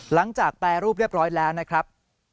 หลังจากแปรรูปเรียบร้อยแล้วนะครับ